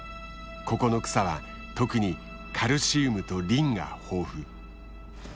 ここの草は特にカルシウムとリンが豊富。